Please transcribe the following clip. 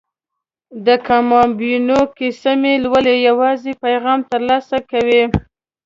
د کامیابیونې کیسې مه لولئ یوازې پیغام ترلاسه کوئ.